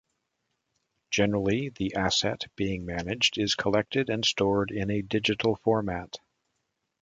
Generally the "asset" being managed is collected and stored in a digital format.